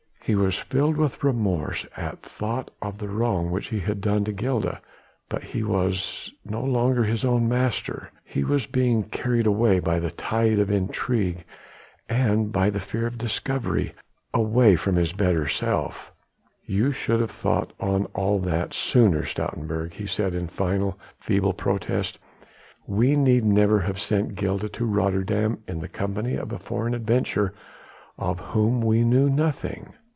He was filled with remorse at thought of the wrong which he had done to Gilda, but he was no longer his own master. He was being carried away by the tide of intrigue and by the fear of discovery, away from his better self. "You should have thought on all that sooner, Stoutenburg," he said in final, feeble protest, "we need never have sent Gilda to Rotterdam in the company of a foreign adventurer of whom we knew nothing."